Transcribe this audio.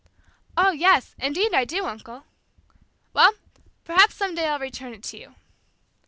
"Oh, yes; indeed I do, uncle." "Well, perhaps some day I'll return it to you."